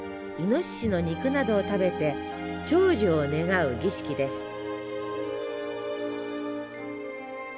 いのししの肉などを食べて長寿を願う儀式です。